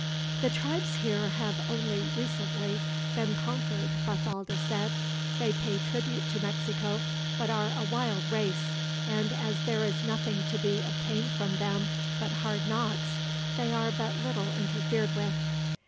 "The tribes here have only recently been conquered," Bathalda said. "They pay tribute to Mexico, but are a wild race; and as there is nothing to be obtained from them but hard knocks, they are but little interfered with."